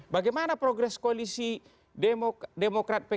bagaimana progres koalisi demokrat pkp